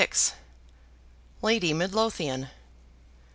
Lady Midlothian.